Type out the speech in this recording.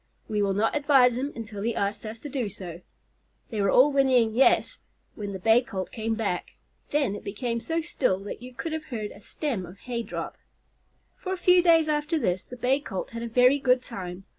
We will not advise him until he asks us to do so." They were all whinnying "Yes" when the Bay Colt came back. Then it became so still that you could have heard a stem of hay drop. For a few days after this, the Bay Colt had a very good time.